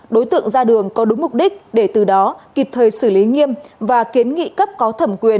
đối tượng ra đường có đúng mục đích để từ đó kịp thời xử lý nghiêm và kiến nghị cấp có thẩm quyền